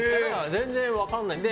全然、分からない。